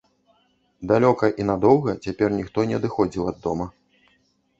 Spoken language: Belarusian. Далёка і надоўга цяпер ніхто не адыходзіў ад дома.